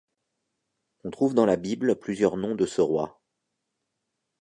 On trouve dans la Bible plusieurs noms de ce roi.